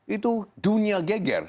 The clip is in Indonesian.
itu dunia geger